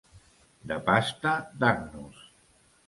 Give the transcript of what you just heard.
De pasta d'agnus.